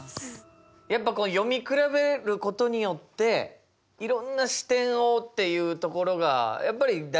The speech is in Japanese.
やっぱこう読み比べることによっていろんな視点をっていうところがやっぱり大事なことなんですかね。